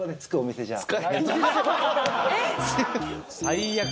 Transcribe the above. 最悪。